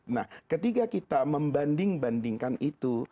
nah ketika kita membanding bandingkan itu